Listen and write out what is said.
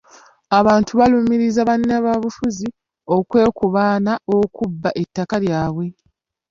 Abantu baalumirizza bannabyabufuzi okwekobaana okubba ettaka lyabwe.